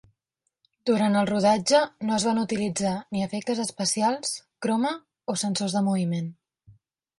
Durant el rodatge, no es van utilitzar ni efectes especials, croma o sensors de moviment.